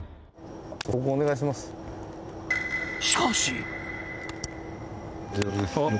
しかし。